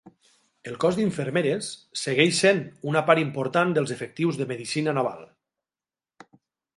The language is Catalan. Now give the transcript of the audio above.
El Cos d'infermeres segueix sent una part important dels efectius de Medicina Naval.